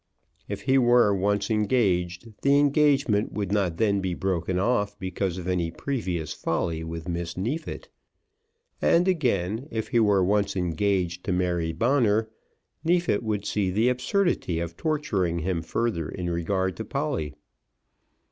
If he were once engaged, the engagement would not then be broken off because of any previous folly with Miss Neefit; and, again, if he were once engaged to Mary Bonner, Neefit would see the absurdity of torturing him further in regard to Polly.